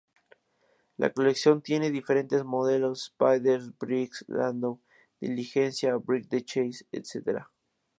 La colección tiene diferentes modelos, spiders, breaks, landau, diligencia, break de chasse, etc.